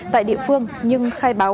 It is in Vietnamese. tại địa phương nhưng khai báo